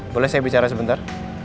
boleh saya bicara sebentar